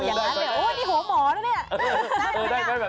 อย่างนั้นเลยโอ้นี่หัวหมอแล้วเนี่ย